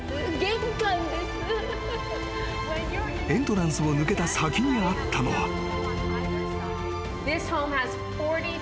［エントランスを抜けた先にあったのは］